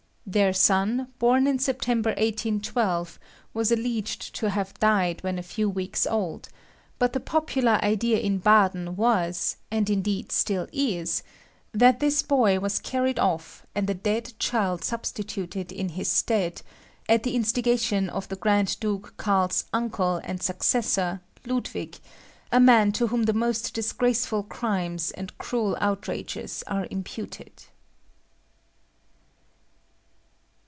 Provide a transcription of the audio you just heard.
Their son, born in September 1812, was alleged to have died when a few weeks old, but the popular idea in Baden was, and indeed still is, that this boy was carried off and a dead child substituted in his stead, at the instigation of the Grand Duke Karl's uncle and successor, Ludwig, a man to whom the most disgraceful crimes and cruel outrages are imputed.